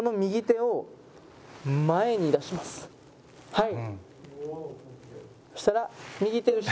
はい。